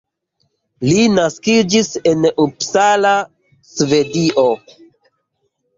Li naskiĝis en Uppsala, Svedio.